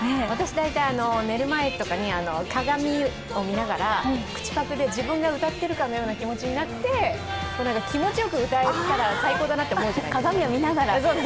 寝る前とかに鏡を見ながら口パクで自分が歌ってるかのような気持ちになって気持ちよく歌えたら最高だなと思うじゃないですか。